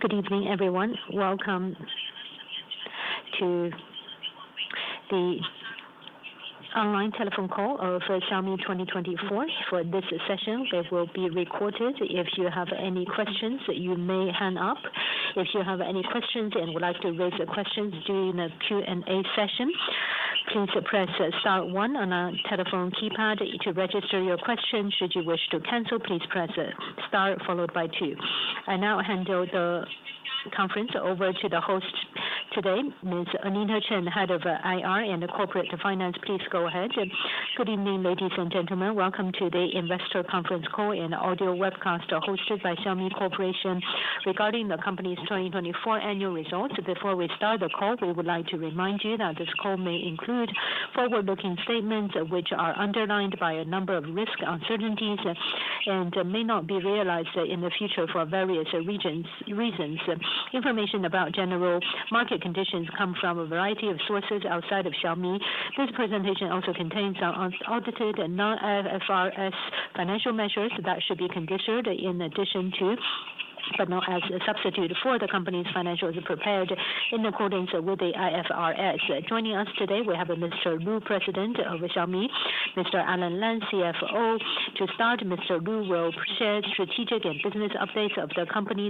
Good evening, everyone. Welcome to the Online Telephone Call of Xiaomi Q4 2024. For this session, it will be recorded. If you have any questions, you may hang up. If you have any questions and would like to raise a question during the Q&A session, please press star one on a telephone keypad to register your question. Should you wish to cancel, please press star followed by two. I now hand the conference over to the host today, Ms. Anita Chen, Head of Investor Relations and Corporate Finance. Please go ahead. Good evening, ladies and gentlemen. Welcome to the Investor Conference Call and Audio Webcast hosted by Xiaomi Corporation regarding the company's 2024 annual results. Before we start the call, we would like to remind you that this call may include forward-looking statements which are underlined by a number of risk uncertainties and may not be realized in the future for various reasons. Information about general market conditions comes from a variety of sources outside of Xiaomi. This presentation also contains audited non-IFRS financial measures that should be considered in addition to, but not as a substitute for the company's financials prepared in accordance with the IFRS. Joining us today, we have Mr. Lu, President of Xiaomi, Mr. Alan Lam, CFO. To start, Mr. Lu will share strategic and business updates of the company.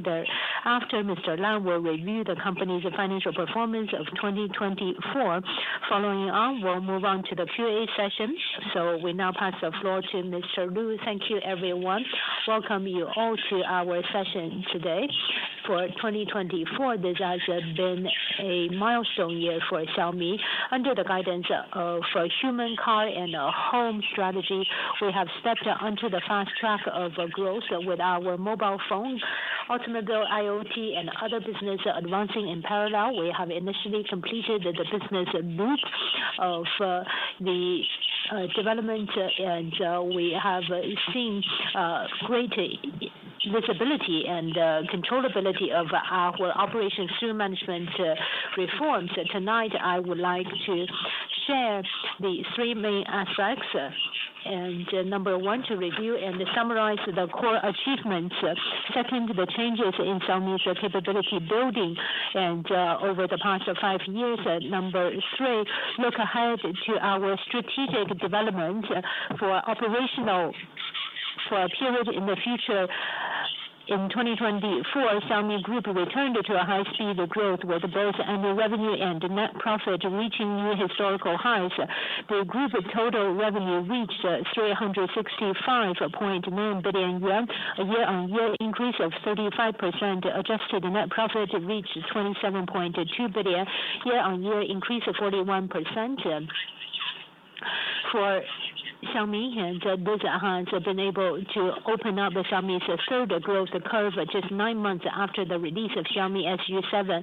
After, Mr. Lam will review the company's financial performance of 2024. Following on, we will move on to the Q&A session. We now pass the floor to Mr. Lu. Thank you, everyone. Welcome you all to our session today. For 2024, this has been a milestone year for Xiaomi. Under the guidance of human car and home strategy, we have stepped onto the fast track of growth with our mobile phones, automobile, IoT, and other business advancing in parallel. We have initially completed the business loop of the development, and we have seen great visibility and controllability of our operations through management reforms. Tonight, I would like to share the three main aspects. Number one, to review and summarize the core achievements. Second, the changes in Xiaomi's capability building over the past five years. Number three, look ahead to our strategic development for operational for a period in the future. In 2024, Xiaomi Group returned to a high-speed growth with both annual revenue and net profit reaching new historical. The group total revenue reached 365.9 billion yuan, a year-on-year increase of 35%. Adjusted net profit reached 27.2 billion, year-on-year increase of 41%. For Xiaomi, these highs have been able to open up Xiaomi's third growth curve just nine months after the release of Xiaomi SU7.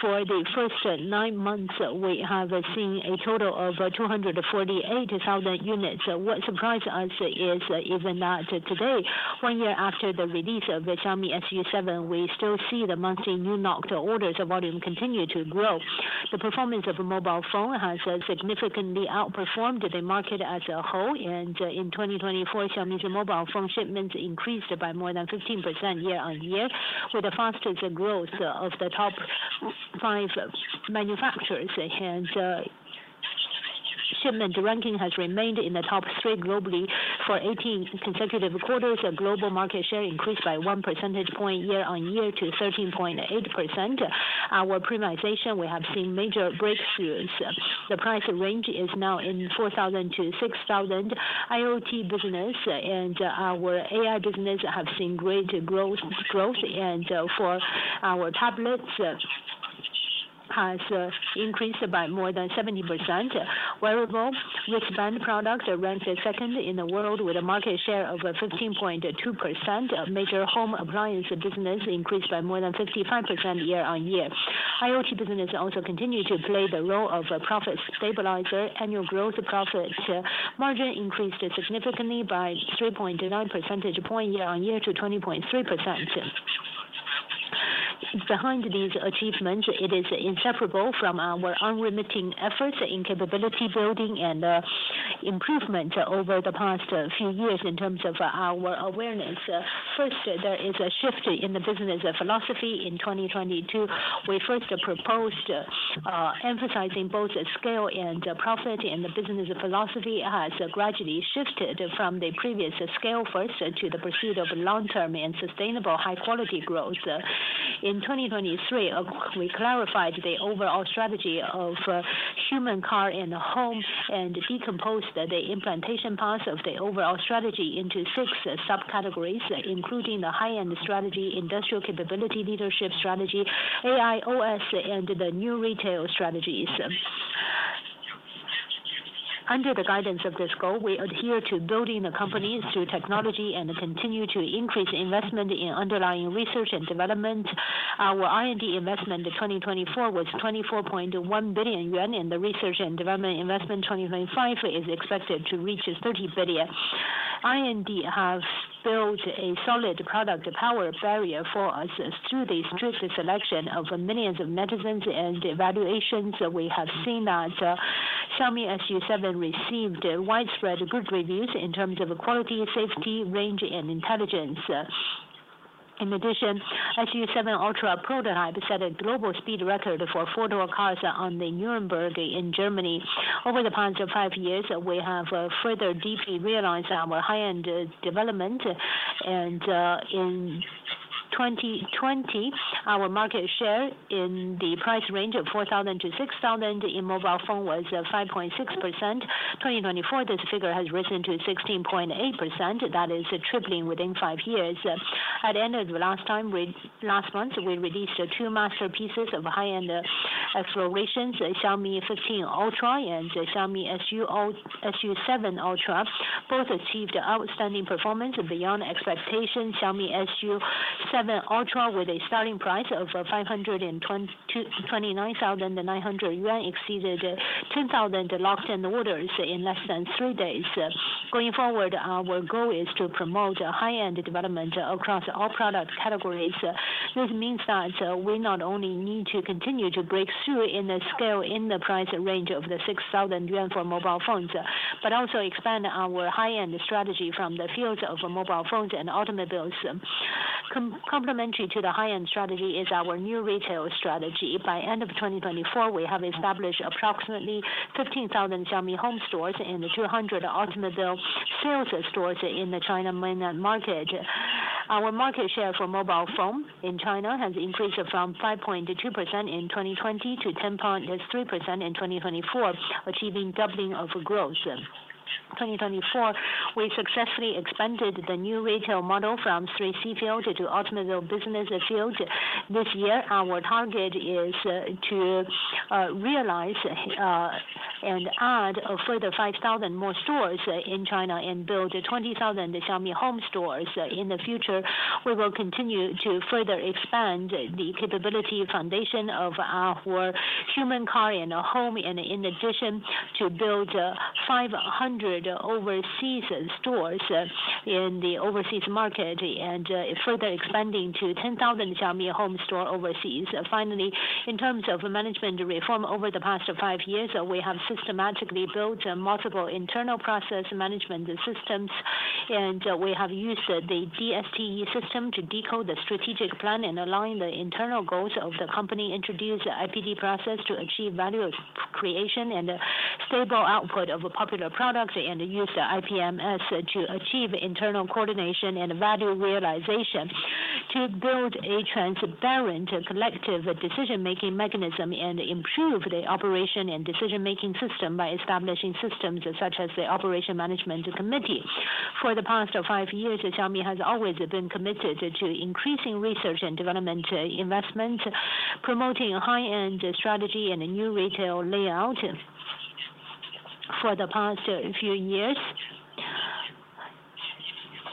For the first nine months, we have seen a total of 248,000 units. What surprised us is even that today, one year after the release of Xiaomi SU7, we still see the monthly new knocked orders volume continue to grow. The performance of mobile phone has significantly outperformed the market as a whole. In 2024, Xiaomi's mobile phone shipments increased by more than 15% year-on-year, with the fastest growth of the top five manufacturers. Shipment ranking has remained in the top three globally for 18 consecutive quarters. Global market share increased by one percentage point year-on-year to 13.8%. Our premiumization, we have seen major breakthroughs. The price range is now in 4,000-6,000. IoT business and our AI business have seen great growth. For our tablets, it has increased by more than 70%. Wearable wristband products ranked second in the world with a market share of 15.2%. Major home appliance business increased by more than 55% year-on-year. IoT business also continued to play the role of a profit stabilizer. Annual growth profit margin increased significantly by 3.9 percentage points year-on-year to 20.3%. Behind these achievements, it is inseparable from our unremitting efforts in capability building and improvement over the past few years in terms of our awareness. First, there is a shift in the business philosophy. In 2022, we first proposed, emphasizing both scale and profit, and the business philosophy has gradually shifted from the previous scale first to the pursuit of long-term and sustainable high-quality growth. In 2023, we clarified the overall strategy of human car and home and decomposed the implantation parts of the overall strategy into six subcategories, including the high-end strategy, industrial capability leadership strategy, AI OS, and the new retail strategies. Under the guidance of this goal, we adhere to building the company through technology and continue to increase investment in underlying research and development. Our R&D investment in 2024 was 24.1 billion yuan, and the research and development investment in 2025 is expected to reach 30 billion. R&D has built a solid product power barrier for us through the strict selection of millions of netizens and evaluations. We have seen that Xiaomi SU7 received widespread good reviews in terms of quality, safety, range, and intelligence. In addition, SU7 Ultra prototype set a global speed record for four-door cars on the Nuremberg in Germany. Over the past five years, we have further deeply realized our high-end development. In 2020, our market share in the price range of 4,000-6,000 in mobile phone was 5.6%. In 2024, this figure has risen to 16.8%. That is tripling within five years. At the end of last month, we released two masterpieces of high-end explorations, Xiaomi 15 Ultra and Xiaomi SU7 Ultra. Both achieved outstanding performance beyond expectations. Xiaomi SU7 Ultra, with a starting price of 529,900 yuan, exceeded 10,000 locked-in orders in less than three days. Going forward, our goal is to promote high-end development across all product categories. This means that we not only need to continue to break through in the scale in the price range of the 6,000 yuan for mobile phones, but also expand our high-end strategy from the fields of mobile phones and automobiles. Complimentary to the high-end strategy is our new retail strategy. By the end of 2024, we have established approximately 15,000 Xiaomi home stores and 200 automobile sales stores in the China mainland market. Our market share for mobile phone in China has increased from 5.2% in 2020 to 10.3% in 2024, achieving doubling of growth. In 2024, we successfully expanded the new retail model from three C fields to automobile business fields. This year, our target is to realize and add further 5,000 more stores in China and build 20,000 Xiaomi home stores. In the future, we will continue to further expand the capability foundation of our human car and home, and in addition, to build 500 overseas stores in the overseas market and further expanding to 10,000 Xiaomi home stores overseas. Finally, in terms of management reform over the past five years, we have systematically built multiple internal process management systems, and we have used the DSTE system to decode the strategic plan and align the internal goals of the company, introduced IPD process to achieve value creation and stable output of popular products, and used IPMS to achieve internal coordination and value realization to build a transparent collective decision-making mechanism and improve the operation and decision-making system by establishing systems such as the operation management committee. For the past five years, Xiaomi has always been committed to increasing research and development investments, promoting high-end strategy and new retail layout. For the past few years,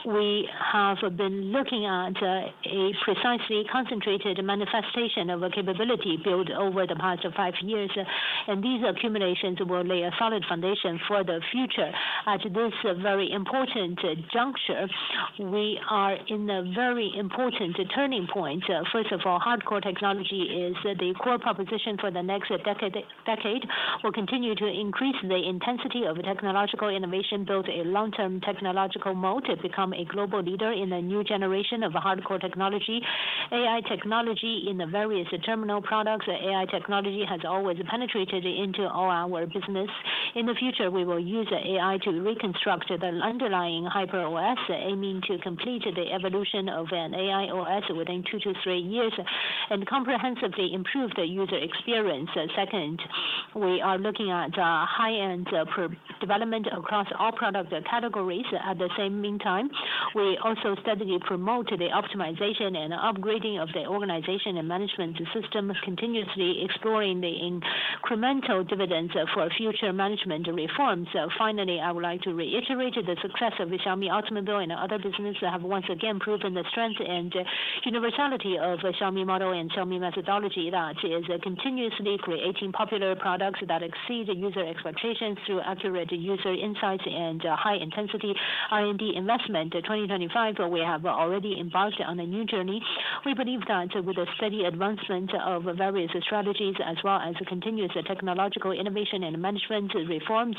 we have been looking at a precisely concentrated manifestation of capability built over the past five years, and these accumulations will lay a solid foundation for the future. At this very important juncture, we are in a very important turning point. First of all, hardcore technology is the core proposition for the next decade. We'll continue to increase the intensity of technological innovation, build a long-term technological moat, become a global leader in a new generation of hardcore technology. AI technology in the various terminal products, AI technology has always penetrated into all our business. In the future, we will use AI to reconstruct the underlying HyperOS, aiming to complete the evolution of an AI OS within two to three years and comprehensively improve the user experience. Second, we are looking at high-end development across all product categories. At the same meantime, we also steadily promote the optimization and upgrading of the organization and management system, continuously exploring the incremental dividends for future management reforms. Finally, I would like to reiterate the success of Xiaomi Automobile and other businesses that have once again proven the strength and universality of the Xiaomi model and Xiaomi methodology that is continuously creating popular products that exceed user expectations through accurate user insights and high-intensity R&D investment. In 2025, we have already embarked on a new journey. We believe that with a steady advancement of various strategies, as well as continuous technological innovation and management reforms,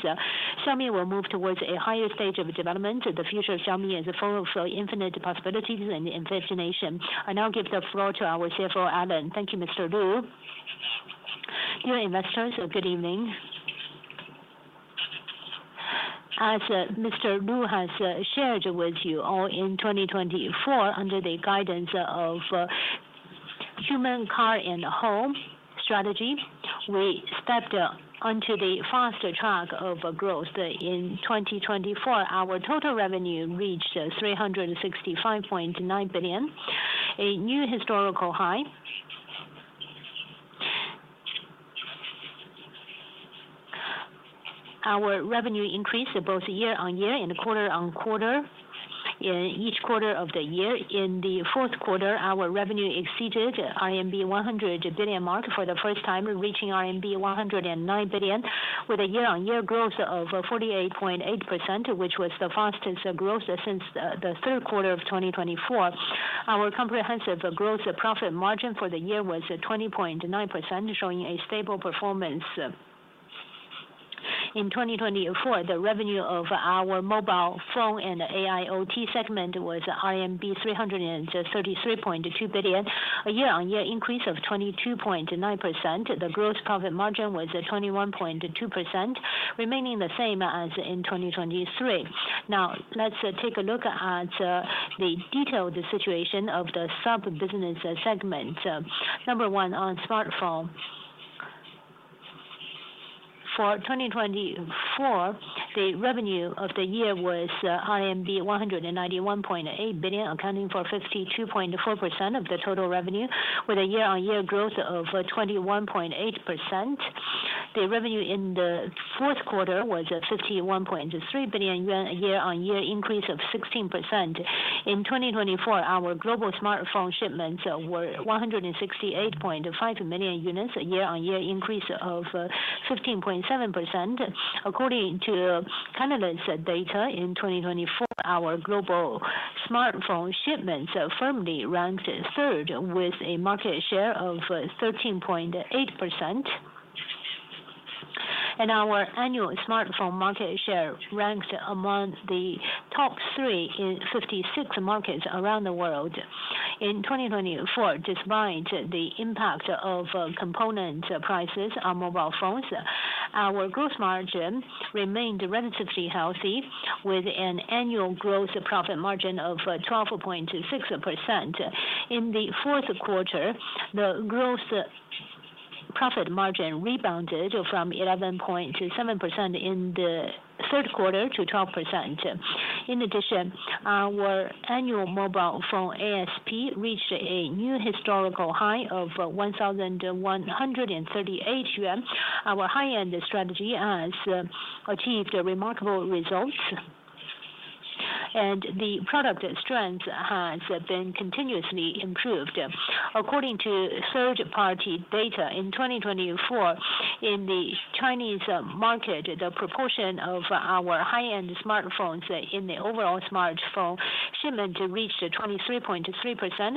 Xiaomi will move towards a higher stage of development. The future of Xiaomi is full of infinite possibilities and imagination. I now give the floor to our CFO, Alan. Thank you, Mr. Lu. Dear investors, good evening. As Mr. Lu has shared with you all, in 2024, under the guidance of human car and home strategy, we stepped onto the fast track of growth. In 2024, our total revenue reached 365.9 billion, a new historical high. Our revenue increased both year-on-year and quarter-on-quarter in each quarter of the year. In the fourth quarter, our revenue exceeded the RMB 100 billion mark for the first time, reaching RMB 109 billion, with a year-on-year growth of 48.8%, which was the fastest growth since the Q3 of 2024. Our comprehensive gross profit margin for the year was 20.9%, showing a stable performance. In 2024, the revenue of our mobile phone and AIoT segment was RMB 333.2 billion, a year-on-year increase of 22.9%. The gross profit margin was 21.2%, remaining the same as in 2023. Now, let's take a look at the detailed situation of the sub-business segment. Number one, on smartphone. For 2024, the revenue of the year was 191.8 billion, accounting for 52.4% of the total revenue, with a year-on-year growth of 21.8%. The revenue in the fourth quarter was 51.3 billion yuan, a year-on-year increase of 16%. In 2024, our global smartphone shipments were 168.5 million units, a year-on-year increase of 15.7%. According to Canalys data, in 2024, our global smartphone shipments firmly ranked third, with a market share of 13.8%. Our annual smartphone market share ranked among the top three in 56 markets around the world. In 2024, despite the impact of component prices on mobile phones, our gross margin remained relatively healthy, with an annual gross profit margin of 12.6%. In the fourth quarter, the gross profit margin rebounded from 11.7% in the Q3 to 12%. In addition, our annual mobile phone ASP reached a new historical high of 1,138 yuan. Our high-end strategy has achieved remarkable results, and the product strength has been continuously improved. According to third-party data, in 2024, in the Chinese market, the proportion of our high-end smartphones in the overall smartphone shipment reached 23.3%,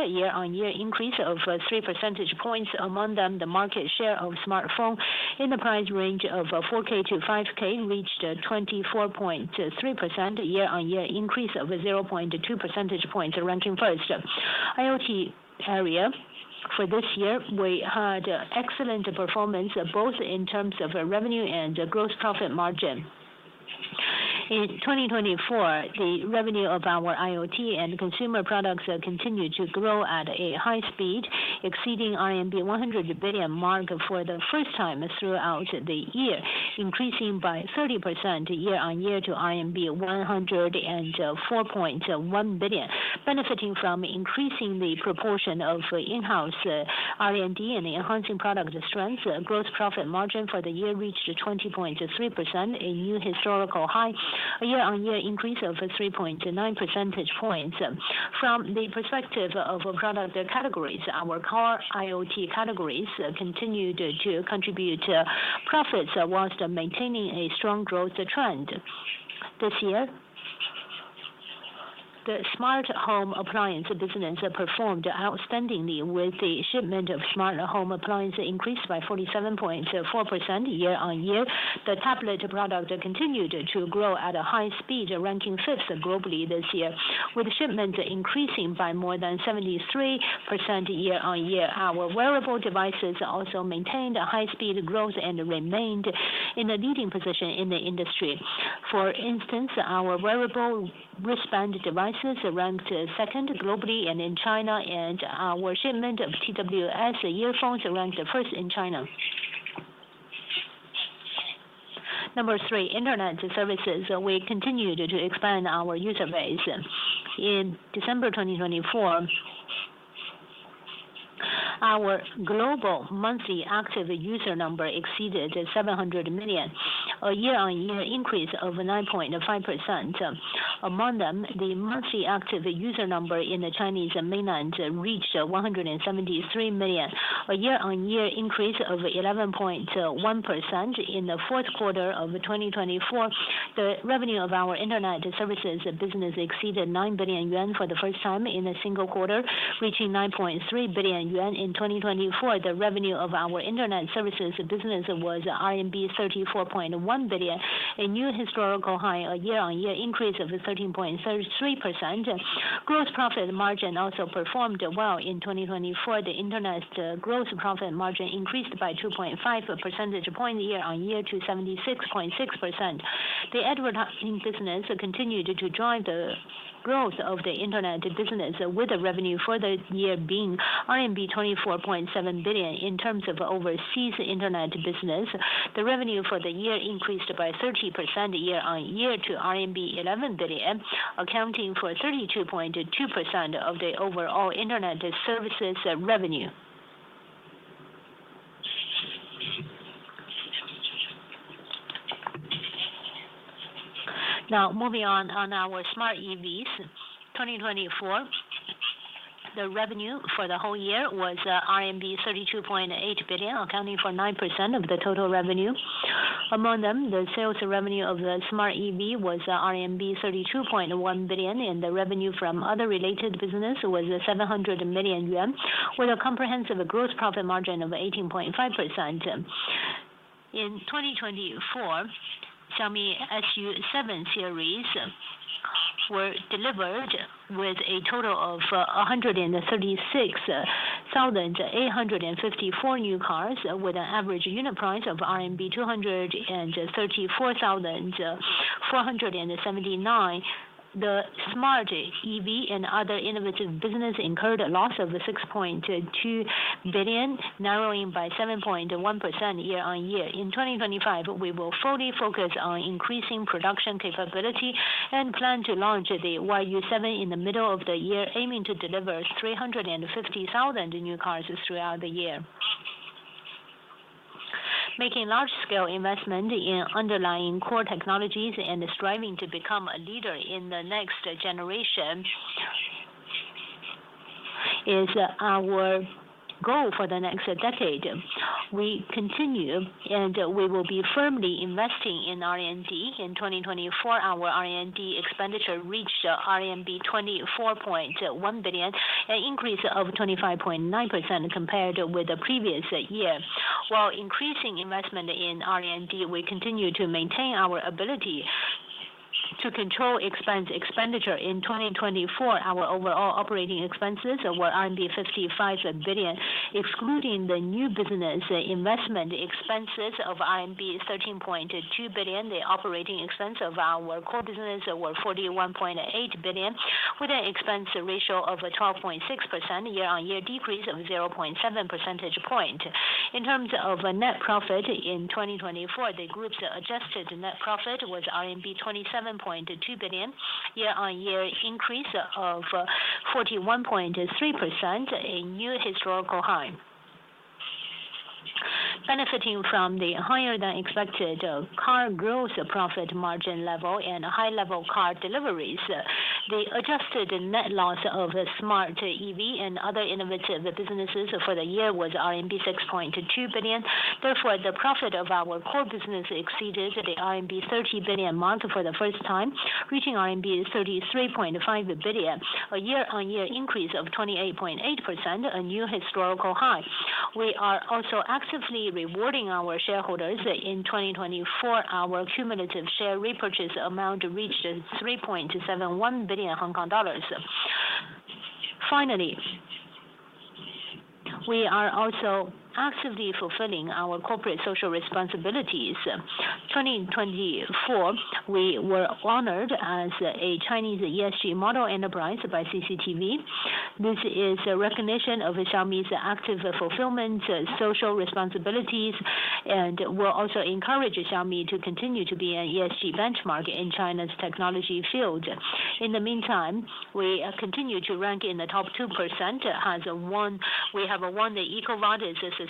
a year-on-year increase of 3 percentage points. Among them, the market share of smartphone in the price range of 4,000 to 5,000 reached 24.3%, a year-on-year increase of 0.2 percentage points, ranking first. IoT area for this year, we had excellent performance both in terms of revenue and gross profit margin. In 2024, the revenue of our IoT and consumer products continued to grow at a high speed, exceeding the RMB 100 billion mark for the first time throughout the year, increasing by 30% year-on-year to RMB 104.1 billion, benefiting from increasing the proportion of in-house R&D and enhancing product strength. Gross profit margin for the year reached 20.3%, a new historical high, a year-on-year increase of 3.9 percentage points. From the perspective of product categories, our car IoT categories continued to contribute profits whilst maintaining a strong growth trend. This year, the smart home appliance business performed outstandingly, with the shipment of smart home appliances increased by 47.4% year-on-year. The tablet product continued to grow at a high speed, ranking fifth globally this year, with shipments increasing by more than 73% year-on-year. Our wearable devices also maintained a high-speed growth and remained in a leading position in the industry. For instance, our wearable wristband devices ranked second globally and in China, and our shipment of TWS earphones ranked first in China. Number three, internet services. We continued to expand our user base. In December 2024, our global monthly active user number exceeded 700 million, a year-on-year increase of 9.5%. Among them, the monthly active user number in the Chinese mainland reached 173 million, a year-on-year increase of 11.1%. In the Q4 of 2024, the revenue of our internet services business exceeded 9 billion yuan for the first time in a single quarter, reaching 9.3 billion yuan. In 2024, the revenue of our internet services business was RMB 34.1 billion, a new historical high, a year-on-year increase of 13.3%. Gross profit margin also performed well. In 2024, the internet gross profit margin increased by 2.5 percentage points year-on-year to 76.6%. The advertising business continued to drive the growth of the internet business, with the revenue for the year being RMB 24.7 billion. In terms of overseas internet business, the revenue for the year increased by 30% year-on-year to RMB 11 billion, accounting for 32.2% of the overall internet services revenue. Now, moving on, on our smart EVs. 2024, the revenue for the whole year was RMB 32.8 billion, accounting for 9% of the total revenue. Among them, the sales revenue of the smart EV was RMB 32.1 billion, and the revenue from other related businesses was 700 million yuan, with a comprehensive gross profit margin of 18.5%. In 2024, Xiaomi SU7 series were delivered with a total of 136,854 new cars, with an average unit price of RMB 234,479. The smart EV and other innovative businesses incurred a loss of 6.2 billion, narrowing by 7.1% year-on-year. In 2025, we will fully focus on increasing production capability and plan to launch the YU7 in the middle of the year, aiming to deliver 350,000 new cars throughout the year. Making large-scale investment in underlying core technologies and striving to become a leader in the next generation is our goal for the next decade. We continue, and we will be firmly investing in R&D. In 2024, our R&D expenditure reached RMB 24.1 billion, an increase of 25.9% compared with the previous year. While increasing investment in R&D, we continue to maintain our ability to control expense expenditure. In 2024, our overall operating expenses were RMB 55 billion. Excluding the new business investment expenses of RMB 13.2 billion, the operating expense of our core business was 41.8 billion, with an expense ratio of 12.6%, a year-on-year decrease of 0.7 percentage points. In terms of net profit in 2024, the group's adjusted net profit was RMB 27.2 billion, a year-on-year increase of 41.3%, a new historical high. Benefiting from the higher-than-expected car gross profit margin level and high-level car deliveries, the adjusted net loss of smart EV and other innovative businesses for the year was RMB 6.2 billion. Therefore, the profit of our core business exceeded the RMB 30 billion mark for the first time, reaching RMB 33.5 billion, a year-on-year increase of 28.8%, a new historical high. We are also actively rewarding our shareholders. In 2024, our cumulative share repurchase amount reached 3.71 billion Hong Kong dollars. Finally, we are also actively fulfilling our corporate social responsibilities. In 2024, we were honored as a Chinese ESG model enterprise by CCTV. This is a recognition of Xiaomi's active fulfillment, social responsibilities, and will also encourage Xiaomi to continue to be an ESG benchmark in China's technology field. In the meantime, we continue to rank in the top 2%. We have won the EcoVadis sustainable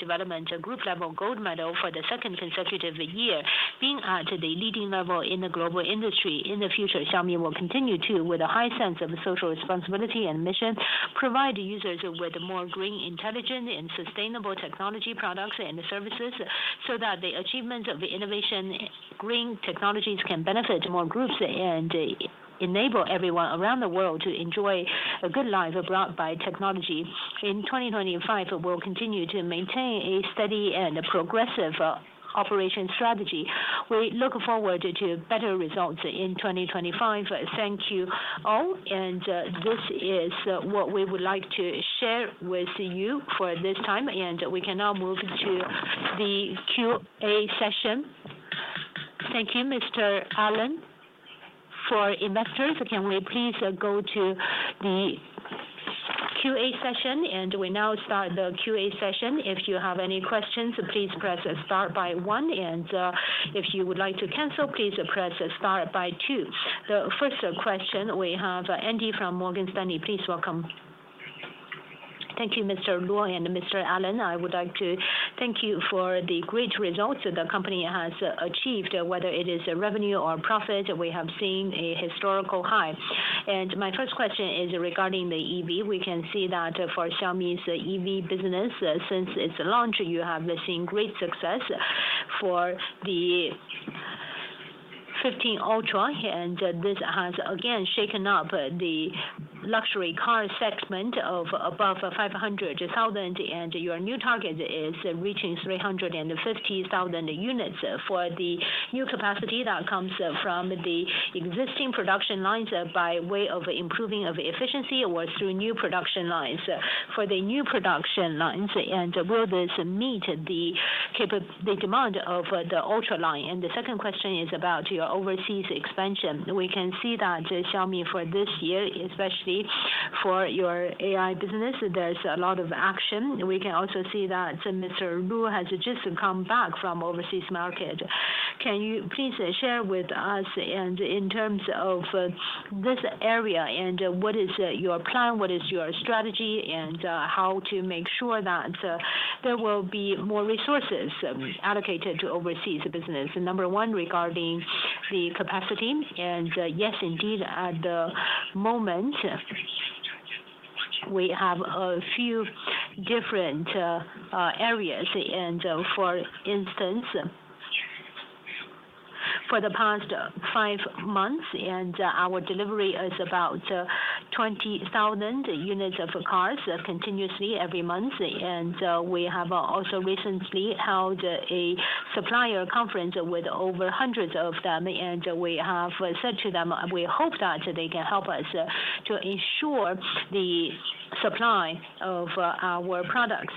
development group level gold medal for the second consecutive year, being at the leading level in the global industry. In the future, Xiaomi will continue to, with a high sense of social responsibility and mission, provide users with more green, intelligent, and sustainable technology products and services so that the achievements of innovation and green technologies can benefit more groups and enable everyone around the world to enjoy a good life brought by technology. In 2025, we will continue to maintain a steady and progressive operation strategy. We look forward to better results in 2025. Thank you all, and this is what we would like to share with you for this time, and we can now move to the Q&A session. Thank you, Mr. Alan, for investors. Can we please go to the Q&A session. We now start the Q&A session. If you have any questions, please press star by one, and if you would like to cancel, please press star by two. The first question we have, Andy from Morgan Stanley, please welcome. Thank you, Mr. Lu and Mr. Alan. I would like to thank you for the great results the company has achieved, whether it is revenue or profit. We have seen a historical high. My first question is regarding the EV. We can see that for Xiaomi's EV business, since its launch, you have seen great success for the 15 Ultra, and this has again shaken up the luxury car segment of above 500,000, and your new target is reaching 350,000 units for the new capacity that comes from the existing production lines by way of improving efficiency or through new production lines. For the new production lines, will this meet the demand of the Ultra line?. The second question is about your overseas expansion. We can see that Xiaomi for this year, especially for your AI business, there's a lot of action. We can also see that Mr. Lu has just come back from the overseas market. Can you please share with us, in terms of this area, what is your plan, what is your strategy, and how to make sure that there will be more resources allocated to overseas business? Number one, regarding the capacity, yes, indeed, at the moment, we have a few different areas. For instance, for the past five months, our delivery is about 20,000 units of cars continuously every month, and we have also recently held a supplier conference with over hundreds of them, and we have said to them, we hope that they can help us to ensure the supply of our products.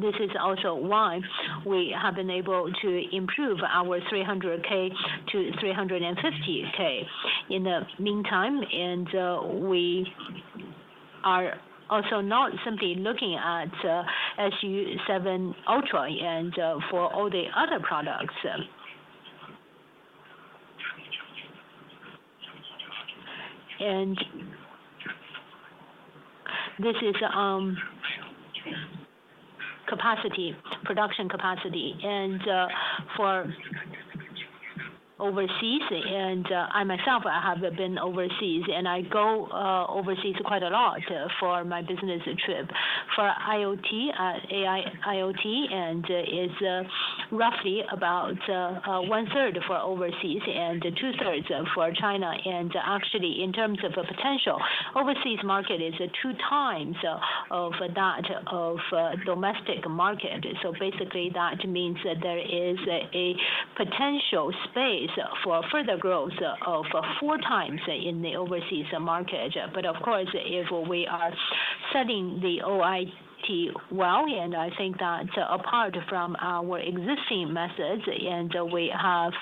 This is also why we have been able to improve our 300,000 to 350,000. In the meantime, we are also not simply looking at SU7 Ultra and for all the other products. This is capacity, production capacity. For overseas, I myself, I have been overseas, and I go overseas quite a lot for my business trip. For AIoT, it is roughly about 1/3 for overseas and 2/3 for China. Actually, in terms of potential, the overseas market is two times that of the domestic market. Basically, that means that there is a potential space for further growth of four times in the overseas market. Of course, if we are setting the OIT well, and I think that apart from our existing methods, we have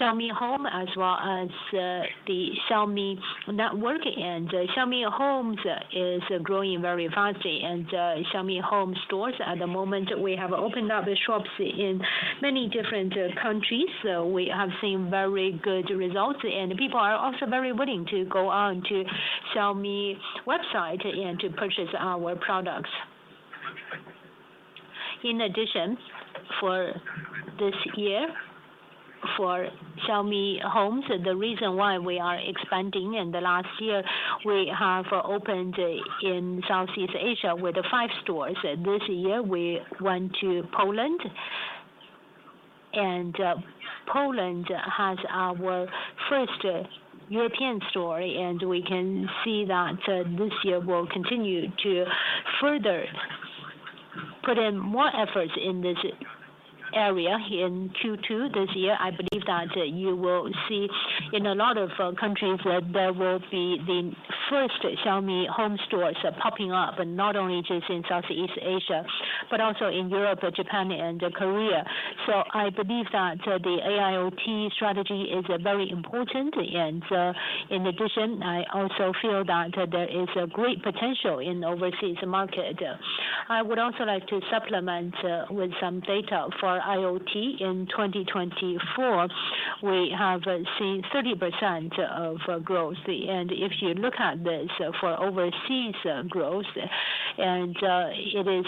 Xiaomi Home as well as the Xiaomi Network, and Xiaomi Home is growing very fast. Xiaomi Home stores at the moment, we have opened up shops in many different countries. We have seen very good results, and people are also very willing to go on to the Xiaomi website and to purchase our products. In addition, for this year, for Xiaomi Home, the reason why we are expanding, in the last year, we have opened in Southeast Asia with five stores. This year, we went to Poland, and Poland has our first European store, and we can see that this year we will continue to further put in more efforts in this area. In Q2 this year, I believe that you will see in a lot of countries that there will be the first Xiaomi Home stores popping up, not only just in Southeast Asia, but also in Europe, Japan, and Korea. I believe that the AIoT strategy is very important, and in addition, I also feel that there is a great potential in the overseas market. I would also like to supplement with some data for IoT. In 2024, we have seen 30% of growth, and if you look at this for overseas growth, it is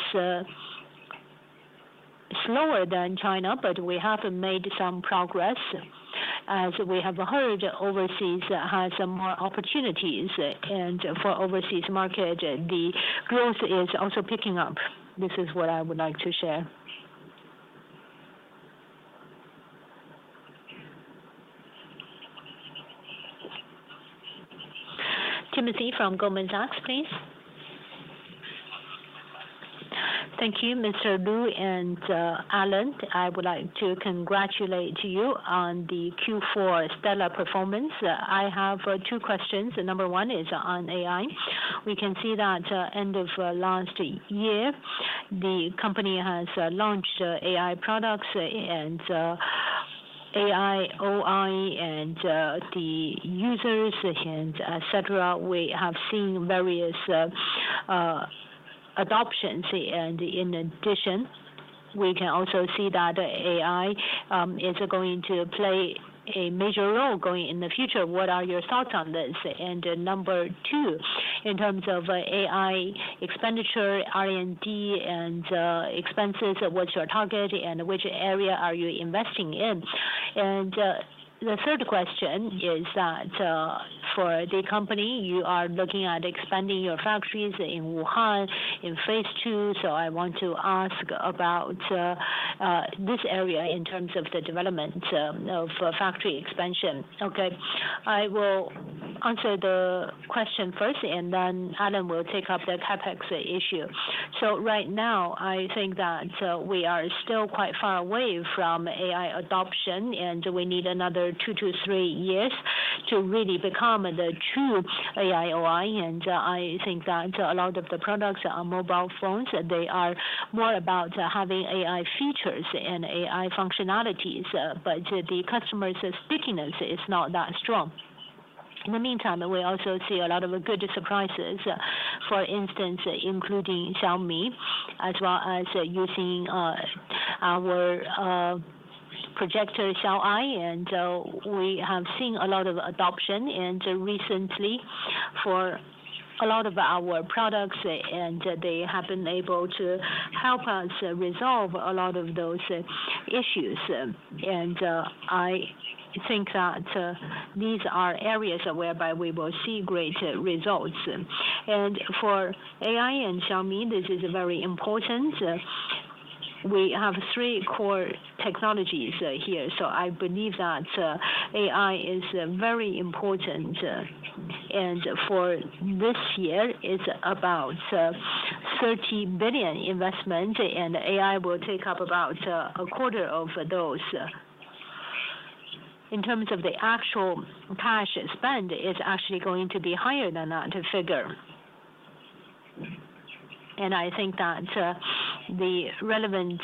slower than China, but we have made some progress. As we have heard, overseas has more opportunities, and for the overseas market, the growth is also picking up. This is what I would like to share. Timothy from Goldman Sachs, please. Thank you, Mr. Lu and Alan. I would like to congratulate you on the Q4 stellar performance. I have two questions. Number one is on AI. We can see that at the end of last year, the company has launched AI products and AIoT, and the users, etc. We have seen various adoptions, and in addition, we can also see that AI is going to play a major role going in the future. What are your thoughts on this? Number two, in terms of AI expenditure, R&D, and expenses, what's your target, and which area are you investing in?. The third question is that for the company, you are looking at expanding your factories in Wuhan in phase two, so I want to ask about this area in terms of the development of factory expansion. Okay, I will answer the question first, and then Alan will take up the CapEx issue. Right now, I think that we are still quite far away from AI adoption, and we need another two to three years to really become the true AIoT, and I think that a lot of the products on mobile phones, they are more about having AI features and AI functionalities, but the customer's stickiness is not that strong. In the meantime, we also see a lot of good surprises, for instance, including Xiaomi, as well as using our projector, Xiao AI, and we have seen a lot of adoption, and recently, for a lot of our products, they have been able to help us resolve a lot of those issues. I think that these are areas whereby we will see great results. For AI and Xiaomi, this is very important. We have three core technologies here, so I believe that AI is very important, and for this year, it is about 30 billion investment, and AI will take up about a quarter of those. In terms of the actual cash spend, it is actually going to be higher than that figure. I think that the relevant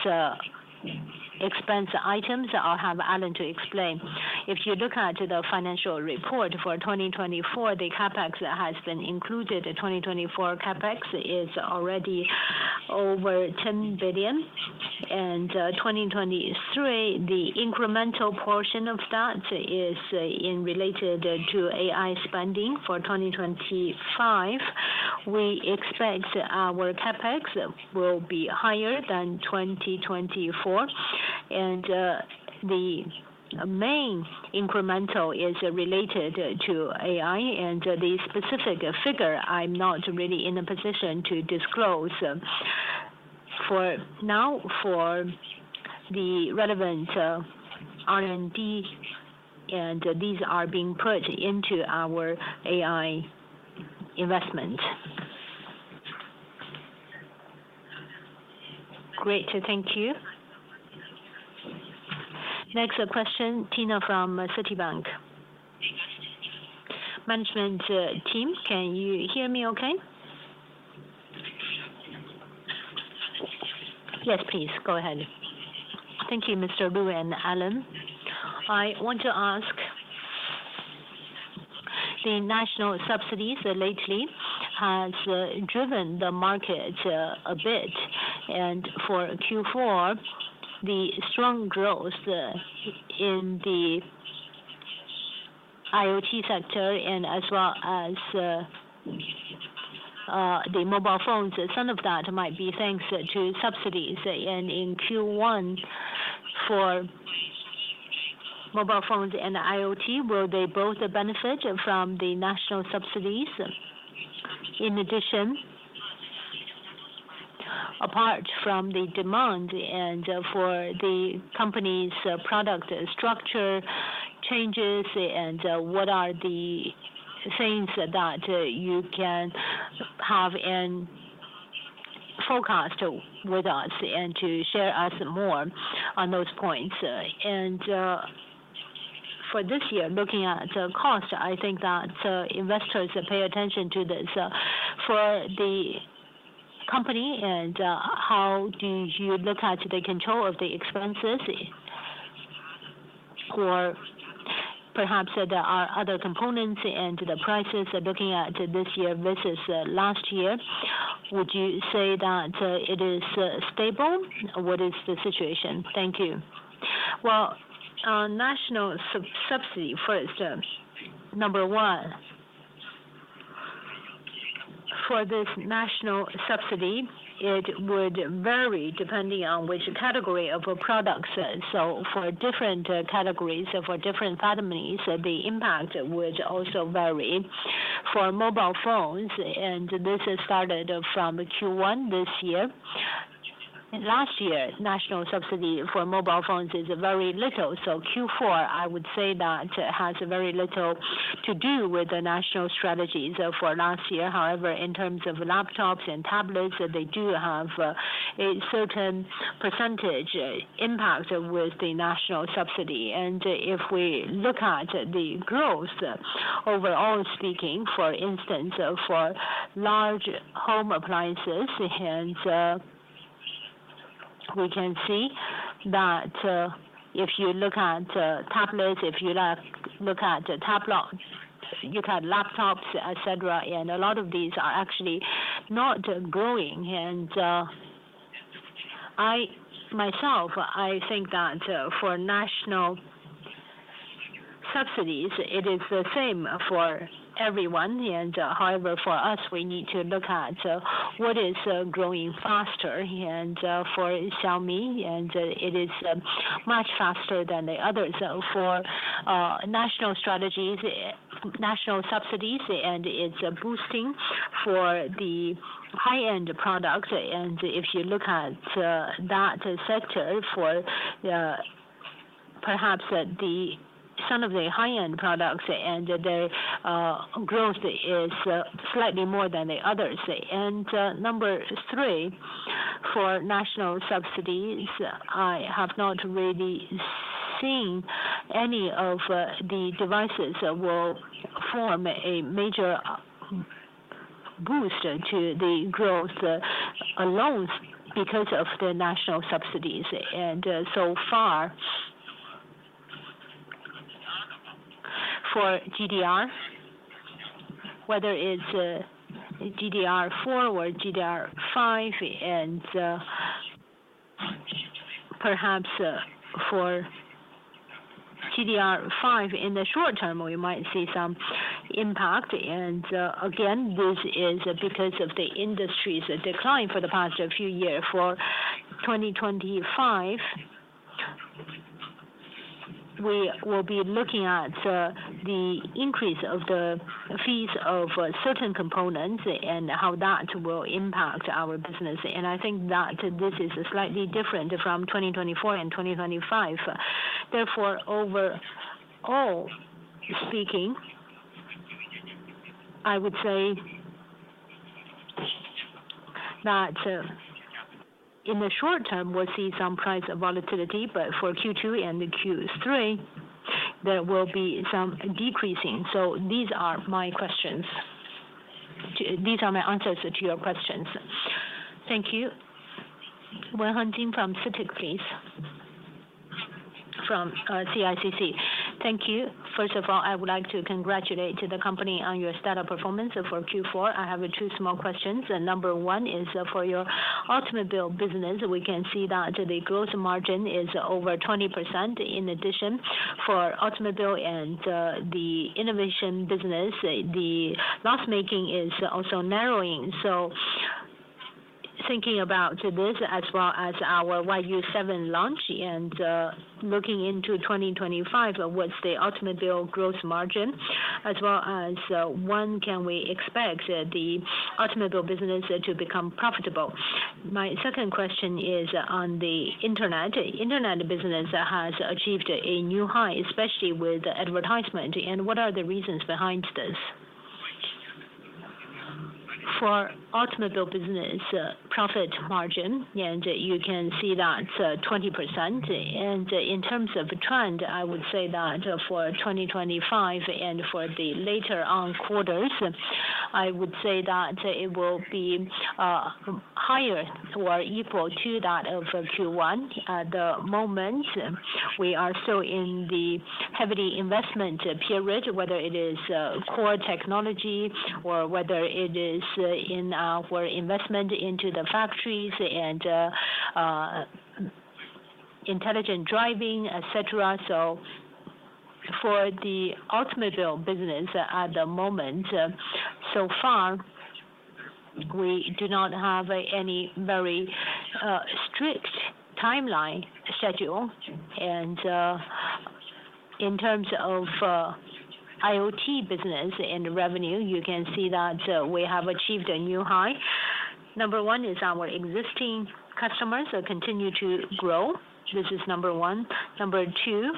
expense items I will have Alan to explain. If you look at the financial report for 2024, the CapEx that has been included, the 2024 CapEx is already over 10 billion, and 2023, the incremental portion of that is related to AI spending. For 2025, we expect our CapEx will be higher than 2024, and the main incremental is related to AI, and the specific figure, I am not really in a position to disclose. For now, for the relevant R&D, these are being put into our AI investment. Great, thank you. Next question, Tina from Citibank. Management team, can you hear me okay?. Yes, please, go ahead. Thank you, Mr. Lu and Alan. I want to ask, the national subsidies lately have driven the market a bit, and for Q4, the strong growth in the IoT sector as well as the mobile phones, some of that might be thanks to subsidies. In Q1, for mobile phones and IoT, will they both benefit from the national subsidies? In addition, apart from the demand for the company's product structure changes, what are the things that you can have in forecast with us and to share us more on those points?. For this year, looking at cost, I think that investors pay attention to this. For the company, how do you look at the control of the expenses?. Or perhaps there are other components and the prices looking at this year versus last year, would you say that it is stable? What is the situation? Thank you. Well, national subsidy first. Number one, for this national subsidy, it would vary depending on which category of products. For different categories for different companies, the impact would also vary. For mobile phones, and this has started from Q1 this year. Last year, national subsidy for mobile phones is very little, so Q4, I would say that has very little to do with the national strategies for last year. However, in terms of laptops and tablets, they do have a certain percentage impact with the national subsidy. If we look at the growth, overall speaking, for instance, for large home appliances, we can see that if you look at tablets, if you look at laptops, etc., a lot of these are actually not growing. I think that for national subsidies, it is the same for everyone. However, for us, we need to look at what is growing faster. For Xiaomi, it is much faster than the others. For national subsidies, it is boosting for the high-end products. If you look at that sector, perhaps some of the high-end products, the growth is slightly more than the others. Number three, for national subsidies, I have not really seen any of the devices will form a major boost to the growth alone because of the national subsidies. So far, for GDR, whether it's GDR-4 or GDR-5, and perhaps for GDR-5 in the short term, we might see some impact. This is because of the industry's decline for the past few years. For 2025, we will be looking at the increase of the fees of certain components and how that will impact our business. I think that this is slightly different from 2024 and 2025. Therefore, overall speaking, I would say that in the short term, we'll see some price volatility, but for Q2 and Q3, there will be some decreasing. These are my answers to your questions. Thank you. Wen Hanjing from Citic, please. From CICC. Thank you. First of all, I would like to congratulate the company on your stellar performance for Q4. I have two small questions. Number one is for your ultimate bill business. We can see that the gross margin is over 20%. In addition, for ultimate bill and the innovation business, the loss-making is also narrowing. Thinking about this as well as our YU7 launch and looking into 2025, what's the ultimate bill gross margin, as well as when can we expect the ultimate bill business to become profitable?. My second question is on the internet. Internet business has achieved a new high, especially with advertisement. What are the reasons behind this?. For ultimate bill business, profit margin, and you can see that's 20%. In terms of trend, I would say that for 2025 and for the later on quarters, I would say that it will be higher or equal to that of Q1. At the moment, we are still in the heavy investment period, whether it is core technology or whether it is in our investment into the factories and intelligent driving, etc. For the ultimate bill business at the moment, so far, we do not have any very strict timeline schedule. In terms of IoT business and revenue, you can see that we have achieved a new high. Number one is our existing customers continue to grow. This is number one. Number two,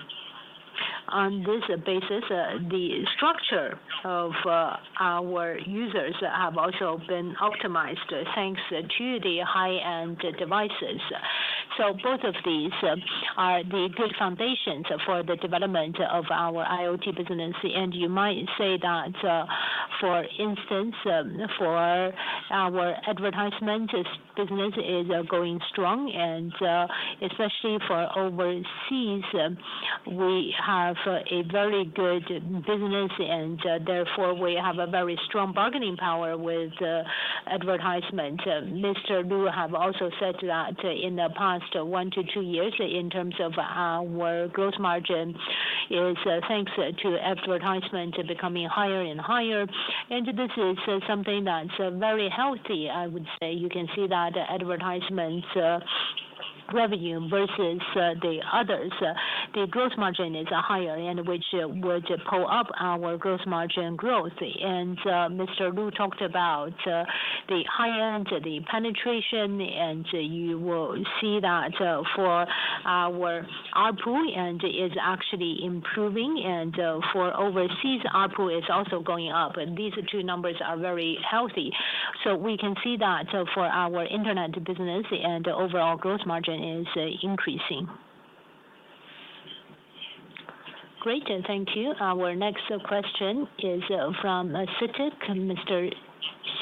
on this basis, the structure of our users has also been optimized thanks to the high-end devices. Both of these are the good foundations for the development of our IoT business. You might say that, for instance, for our advertisement business, it is going strong, and especially for overseas, we have a very good business, and therefore, we have a very strong bargaining power with advertisement. Mr. Lu has also said that in the past one to two years, in terms of our gross margin, it is thanks to advertisement becoming higher and higher. This is something that's very healthy, I would say. You can see that advertisement revenue versus the others, the gross margin is higher, which would pull up our gross margin growth. Mr. Lu talked about the high-end, the penetration, and you will see that for our output, it is actually improving, and for overseas, output is also going up. These two numbers are very healthy. We can see that for our internet business, overall gross margin is increasing. Great, thank you. Our next question is from Citic, Mr.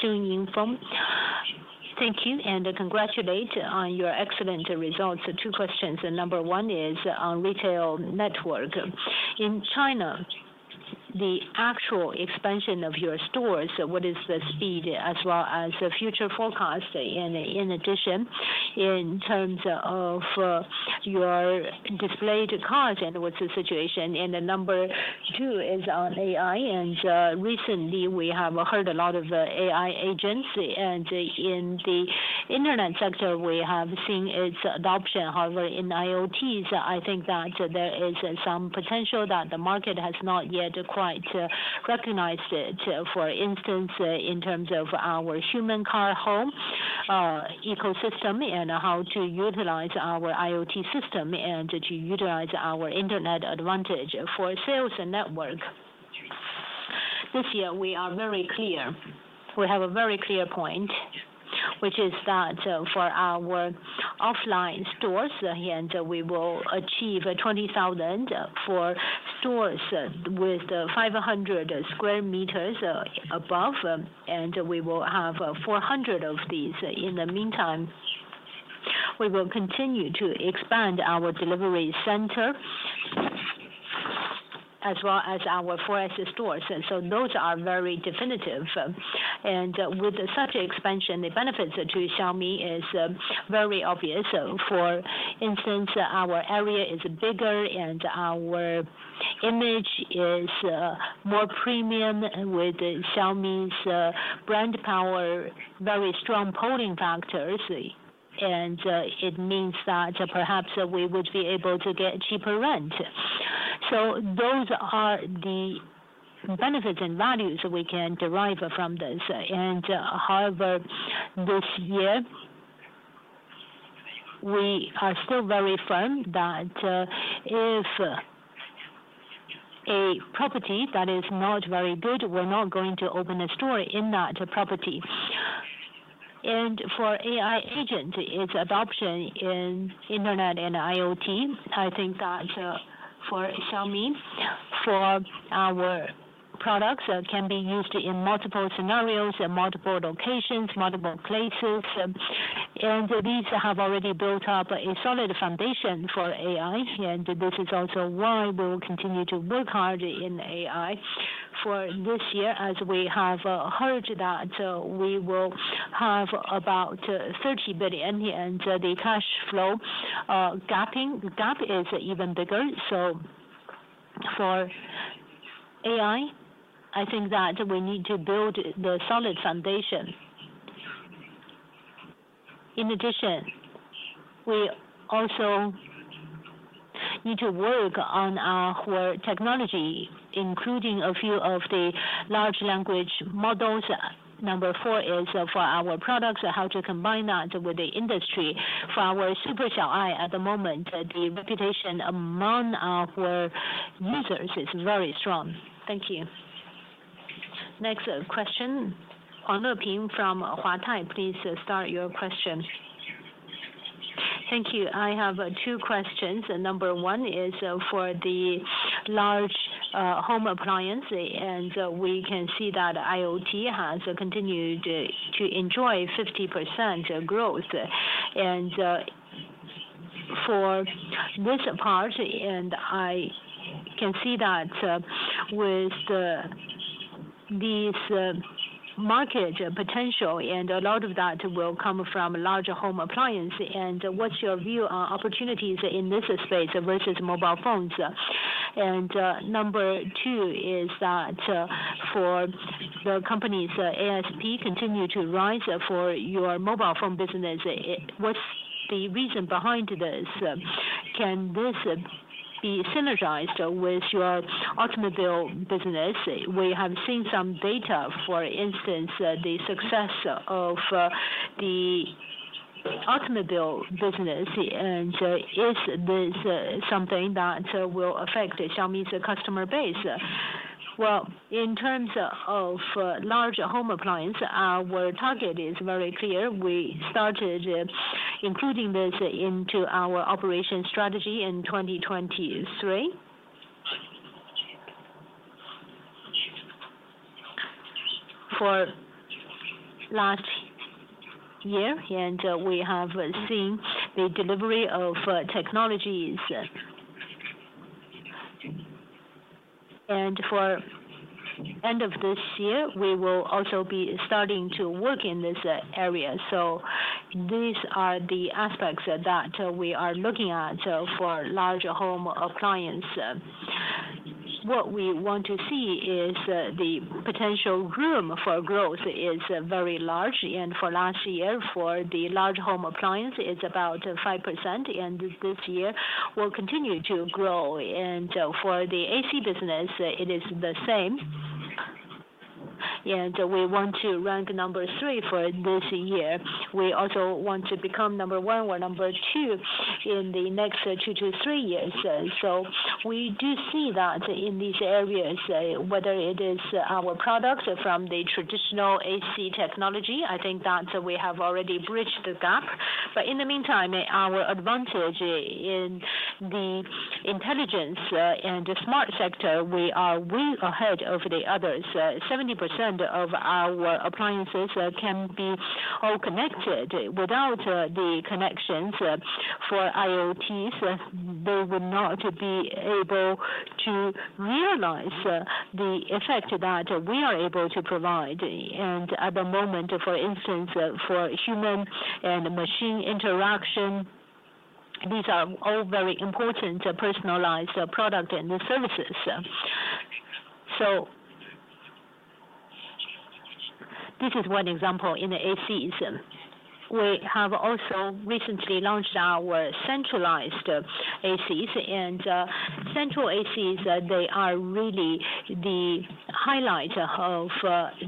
Sun Yingfeng. Thank you, and congratulations on your excellent results. Two questions. Number one is on retail network. In China, the actual expansion of your stores, what is the speed, as well as future forecast? In addition, in terms of your displayed cost, and what's the situation? Number two is on AI. Recently, we have heard a lot of AI agents, and in the internet sector, we have seen its adoption. However, in IoTs, I think that there is some potential that the market has not yet quite recognized it. For instance, in terms of our human car home ecosystem and how to utilize our IoT system and to utilize our internet advantage for sales and network. This year, we are very clear. We have a very clear point, which is that for our offline stores, we will achieve 20,000 for stores with 500 square meters above, and we will have 400 of these. In the meantime, we will continue to expand our delivery center as well as our 4S stores. Those are very definitive. With such expansion, the benefits to Xiaomi are very obvious. For instance, our area is bigger, and our image is more premium with Xiaomi's brand power, very strong polling factors, and it means that perhaps we would be able to get cheaper rent. Those are the benefits and values we can derive from this. However, this year, we are still very firm that if a property that is not very good, we're not going to open a store in that property. For AI agent, its adoption in internet and IoT, I think that for Xiaomi, for our products, can be used in multiple scenarios, multiple locations, multiple places. These have already built up a solid foundation for AI, and this is also why we will continue to work hard in AI for this year, as we have heard that we will have about 30 billion, and the cash flow gap is even bigger. For AI, I think that we need to build the solid foundation. In addition, we also need to work on our technology, including a few of the large language models. Number four is for our products, how to combine that with the industry. For our supercell eye at the moment, the reputation among our users is very strong. Thank you. Next question, Huang Le Ping from Huatai. Please start your question. Thank you.I have two questions. Number one is for the large home appliance, and we can see that IoT has continued to enjoy 50% growth. For this part, I can see that with these market potential, and a lot of that will come from larger home appliance. What is your view on opportunities in this space versus mobile phones? Number two is that for the company's ASP continue to rise for your mobile phone business, what is the reason behind this? Can this be synergized with your ultimate bill business?. We have seen some data, for instance, the success of the ultimate bill business, and is this something that will affect Xiaomi's customer base?. In terms of large home appliance, our target is very clear. We started including this into our operation strategy in 2023. For last year, we have seen the delivery of technologies. For the end of this year, we will also be starting to work in this area. These are the aspects that we are looking at for large home appliance. What we want to see is the potential room for growth is very large. For last year, for the large home appliance, it is about 5%, and this year will continue to grow. For the AC business, it is the same. We want to rank number three for this year. We also want to become number one or number two in the next two to three years. We do see that in these areas, whether it is our products from the traditional AC technology, I think that we have already bridged the gap. In the meantime, our advantage in the intelligence and smart sector, we are way ahead of the others. 70% of our appliances can be all connected. Without the connections for IoTs, they would not be able to realize the effect that we are able to provide. At the moment, for instance, for human and machine interaction, these are all very important personalized products and services. This is one example in the ACs. We have also recently launched our centralized ACs, and central ACs, they are really the highlight of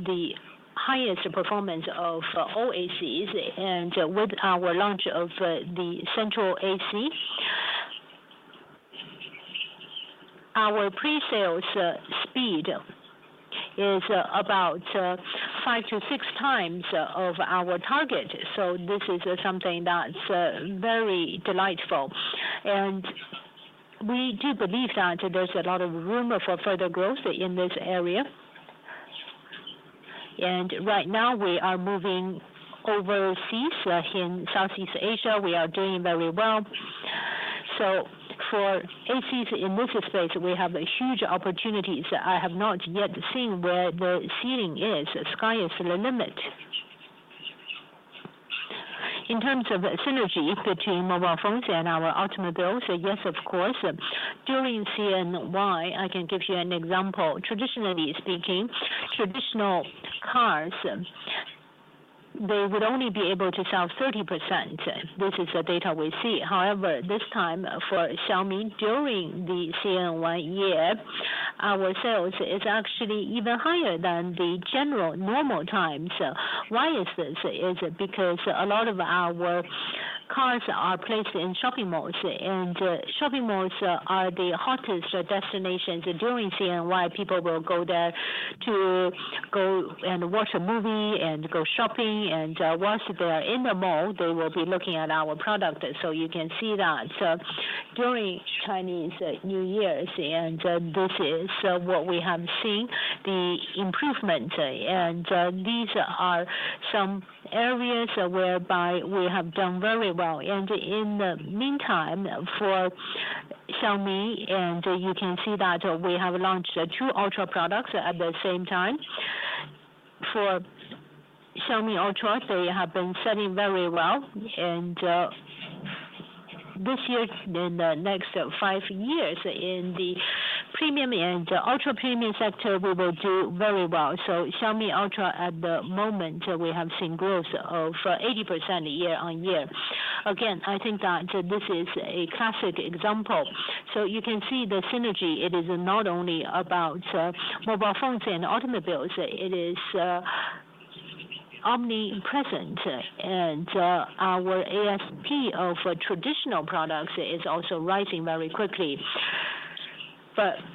the highest performance of all ACs. With our launch of the central AC, our pre-sales speed is about five to six times of our target. This is something that's very delightful. We do believe that there's a lot of room for further growth in this area. Right now, we are moving overseas in Southeast Asia. We are doing very well. For ACs in this space, we have huge opportunities. I have not yet seen where the ceiling is. The sky is the limit. In terms of synergy between mobile phones and our ultimate bills, yes, of course. During CNY, I can give you an example. Traditionally speaking, traditional cars, they would only be able to sell 30%. This is the data we see. However, this time for Xiaomi, during the CNY year, our sales is actually even higher than the general normal times. Why is this? It's because a lot of our cars are placed in shopping malls, and shopping malls are the hottest destinations during CNY. People will go there to go and watch a movie and go shopping. Once they are in the mall, they will be looking at our product. You can see that during Chinese New Year's. This is what we have seen, the improvement. These are some areas whereby we have done very well. In the meantime, for Xiaomi, you can see that we have launched two Ultra products at the same time. For Xiaomi Ultra, they have been selling very well. This year, in the next five years, in the premium and ultra premium sector, we will do very well. Xiaomi Ultra, at the moment, we have seen growth of 80% year on year. I think that this is a classic example. You can see the synergy. It is not only about mobile phones and automobiles. It is omnipresent. Our ASP of traditional products is also rising very quickly.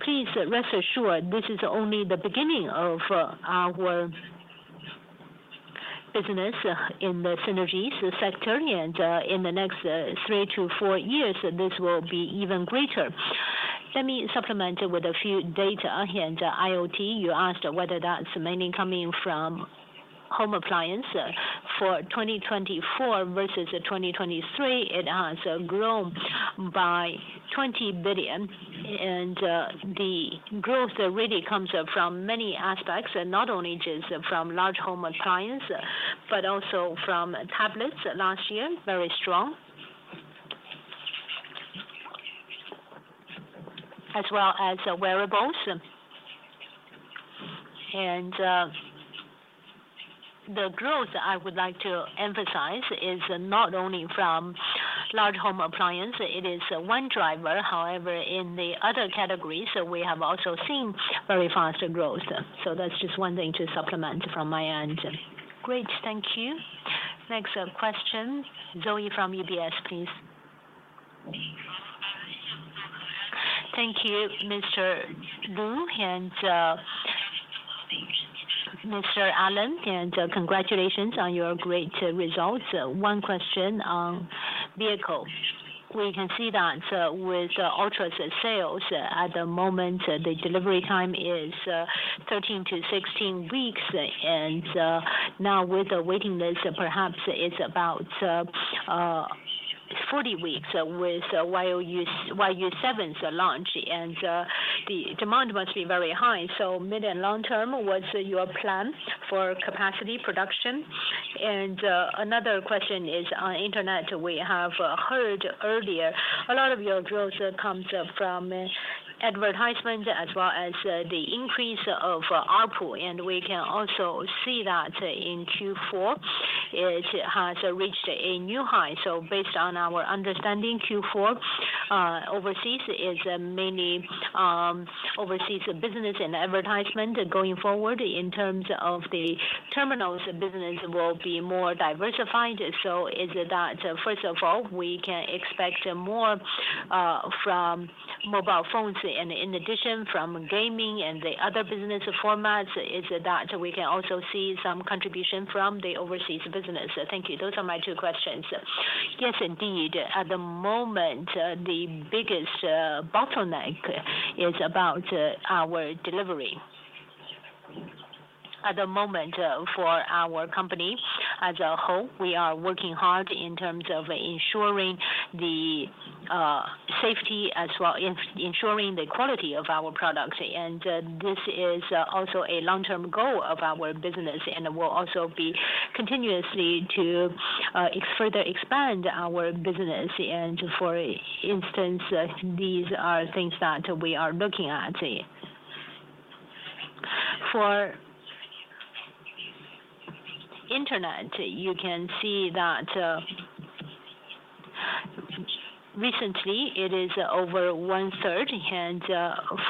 Please rest assured, this is only the beginning of our business in the synergies sector. In the next three to four years, this will be even greater. Let me supplement with a few data. IoT, you asked whether that's mainly coming from home appliance. For 2024 versus 2023, it has grown by 20 billion. The growth really comes from many aspects, not only just from large home appliance, but also from tablets last year, very strong, as well as wearables. The growth I would like to emphasize is not only from large home appliance. It is one driver. However, in the other categories, we have also seen very fast growth. That's just one thing to supplement from m,y end. Great, thank you. Next question, Zoe from UBS, please. Thank you, Mr. Lu. And Mr. Alan, and congratulations on your great results. One question on vehicle. We can see that with Ultra's sales, at the moment, the delivery time is 13-16 weeks. Now with the waiting list, perhaps it's about 40 weeks with YU7's launch. The demand must be very high. Mid and long term, what's your plan for capacity production?, Another question is on internet. We have heard earlier, a lot of your growth comes from advertisement as well as the increase of output. We can also see that in Q4, it has reached a new high. Based on our understanding, Q4 is mainly overseas business and advertisement going forward. In terms of the terminals, business will be more diversified. Is it that, first of all, we can expect more from mobile phones? In addition, from gaming and the other business formats, is it that we can also see some contribution from the overseas business? Thank you. Those are my two questions. Yes, indeed. At the moment, the biggest bottleneck is about our delivery. At the moment, for our company as a whole, we are working hard in terms of ensuring the safety as well as ensuring the quality of our products. This is also a long-term goal of our business. We will also be continuously working to further expand our business. For instance, these are things that we are looking at. For internet, you can see that recently, it is over one-third.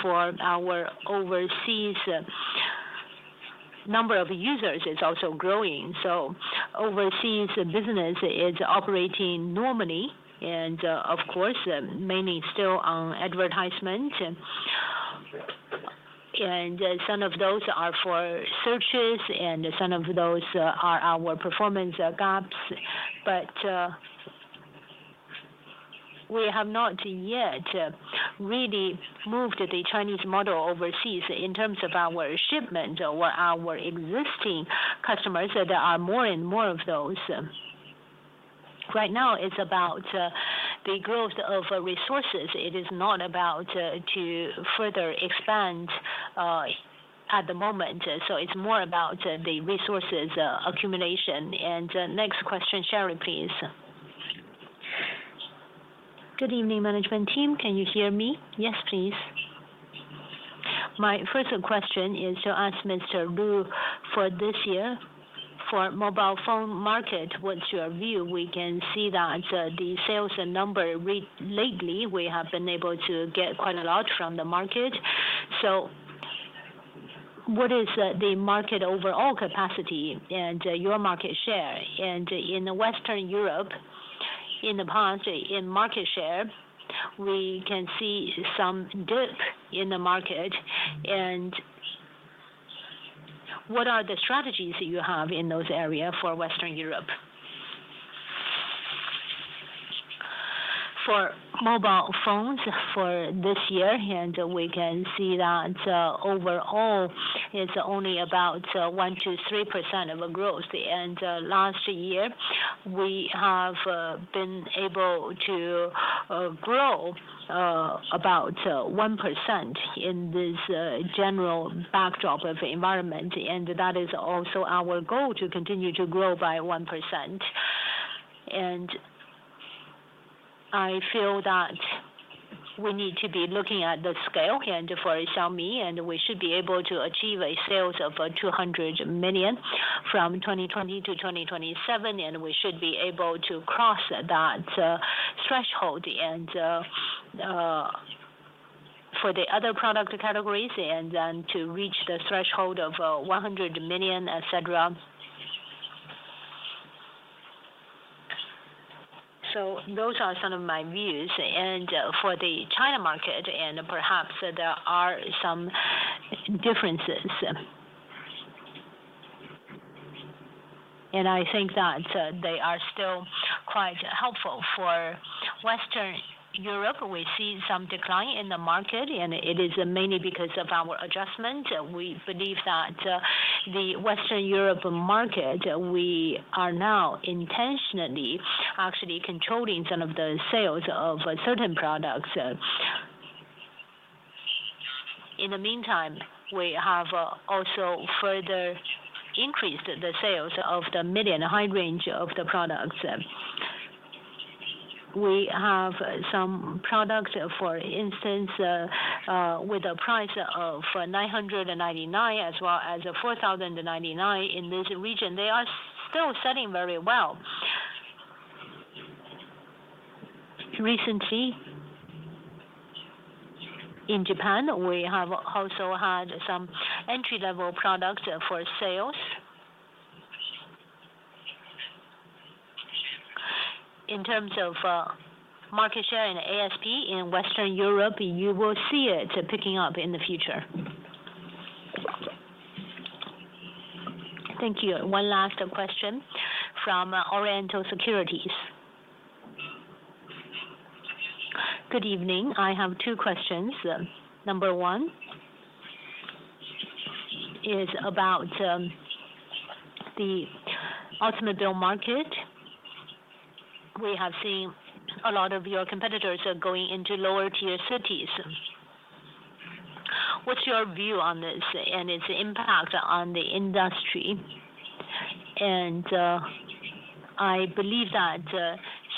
For our overseas number of users, it is also growing. Overseas business is operating normally. Of course, mainly still on advertisement. Some of those are for searches, and some of those are our performance gaps. We have not yet really moved the Chinese model overseas in terms of our shipment or our existing customers. There are more and more of those. Right now, it is about the growth of resources. It is not about to further expand at the moment. It is more about the resources accumulation. Next question, Sherry, please. Good evening, management team. Can you hear me? Yes, please. My first question is to ask Mr. Lu for this year. For mobile phone market, what is your view? We can see that the sales number lately, we have been able to get quite a lot from the market. What is the market overall capacity and your market share? In Western Europe, in the past, in market share, we can see some dip in the market. What are the strategies you have in those areas for Western Europe? For mobile phones for this year, we can see that overall, it is only about 1 to 3% of a growth. Last year, we have been able to grow about 1% in this general backdrop of environment. That is also our goal to continue to grow by 1%. I feel that we need to be looking at the scale for Xiaomi, and we should be able to achieve a sales of 200 million from 2020 to 2027. We should be able to cross that threshold for the other product categories and then to reach the threshold of 100 million, etc. Those are some of my views. For the China market, perhaps there are some differences. I think that they are still quite helpful. For Western Europe, we see some decline in the market, and it is mainly because of our adjustment. We believe that the Western Europe market, we are now intentionally actually controlling some of the sales of certain products. In the meantime, we have also further increased the sales of the mid and high range of the products. We have some products, for instance, with a price of 999 as well as 4,099 in this region. They are still selling very well. Recently, in Japan, we have also had some entry-level products for sales. In terms of market share and ASP in Western Europe, you will see it picking up in the future. Thank you. One last question from Oriental Securities. Good evening. I have two questions. Number one is about the ultimate bill market. We have seen a lot of your competitors going into lower-tier cities. What's your view on this and its impact on the industry? I believe that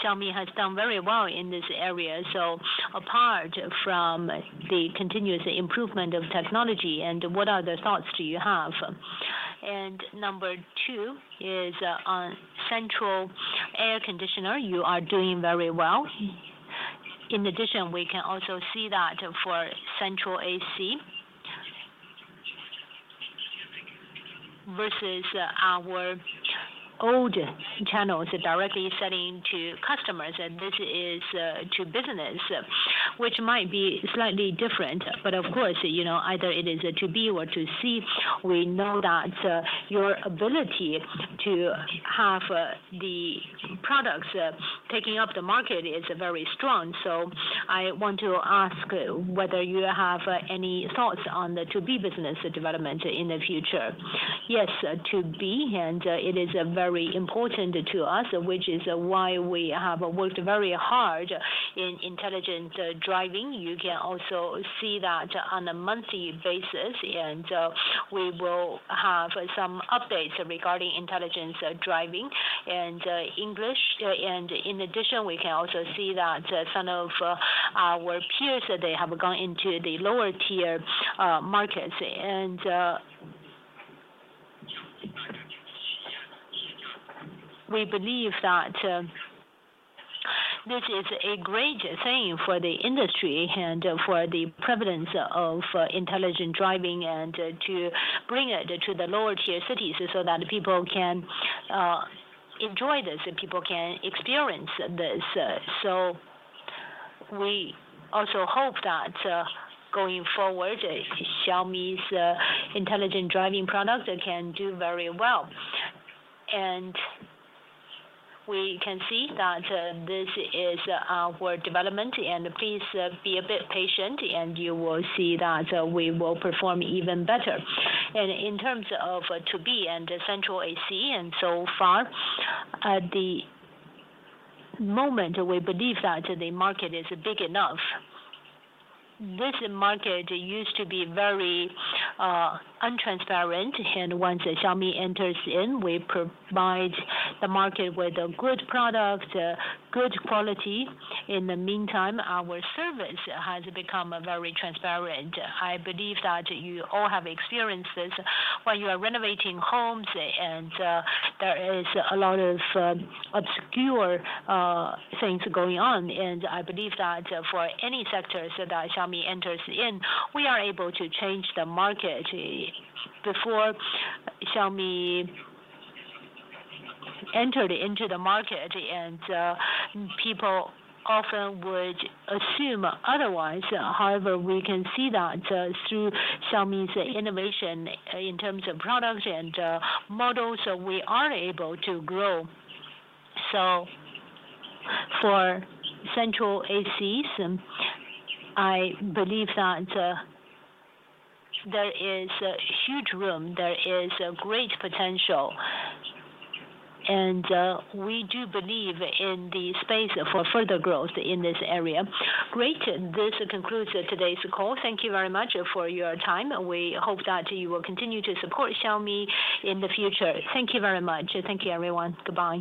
Xiaomi has done very well in this area. Apart from the continuous improvement of technology, what other thoughts do you have? Number two is on central air conditioner. You are doing very well. In addition, we can also see that for central AC versus our old channels directly selling to customers. This is to business, which might be slightly different. Of course, either it is to B or to C. We know that your ability to have the products taking up the market is very strong. I want to ask whether you have any thoughts on the to B business development in the future. Yes, to B. It is very important to us, which is why we have worked very hard in intelligent driving. You can also see that on a monthly basis. We will have some updates regarding intelligent driving and English. In addition, we can also see that some of our peers, they have gone into the lower-tier markets. We believe that this is a great thing for the industry and for the prevalence of intelligent driving to bring it to the lower-tier cities so that people can enjoy this, people can experience this. We also hope that going forward, Xiaomi's intelligent driving product can do very well. We can see that this is our development. Please be a bit patient, and you will see that we will perform even better. In terms of to B and central AC, at the moment, we believe that the market is big enough. This market used to be very untransparent. Once Xiaomi enters in, we provide the market with a good product, good quality. In the meantime, our service has become very transparent. I believe that you all have experienced this when you are renovating homes, and there is a lot of obscure things going on. I believe that for any sectors that Xiaomi enters in, we are able to change the market. Before Xiaomi entered into the market, people often would assume otherwise. However, we can see that through Xiaomi's innovation in terms of products and models, we are able to grow. For central ACs, I believe that there is huge room. There is great potential. We do believe in the space for further growth in this area. Great. This concludes today's call. Thank you very much for your time. We hope that you will continue to support Xiaomi in the future. Thank you very much. Thank you, everyone. Goodbye.